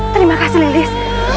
terima kasih lilis